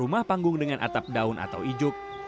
rumah panggung dengan atap daun atau ijuk